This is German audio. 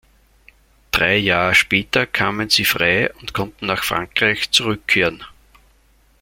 Drei Jahr später kamen sie frei und konnten nach Frankreich zurückkehren.